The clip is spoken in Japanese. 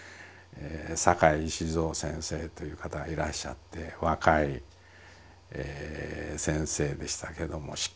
阪井静夫先生という方がいらっしゃって若い先生でしたけどもしっかりした顔のいい先生でした。